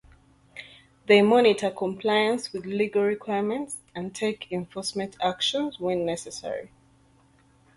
They monitor compliance with legal requirements and take enforcement actions when necessary.